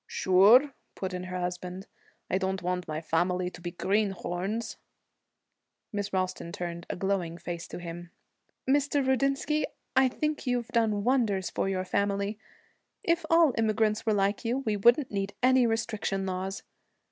'Sure,' put in her husband, 'I don't want my family to be greenhorns.' Miss Ralston turned a glowing face to him. 'Mr. Rudinsky, I think you've done wonders for your family. If all immigrants were like you, we wouldn't need any restriction laws.'